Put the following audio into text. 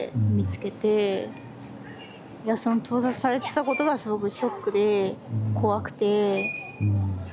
いやその盗撮されてたことがすごくショックで怖くて。